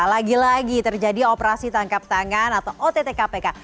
lagi lagi terjadi operasi tangkap tangan atau ott kpk